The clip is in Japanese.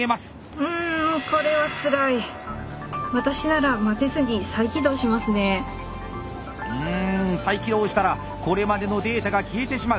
うん再起動したらこれまでのデータが消えてしまう。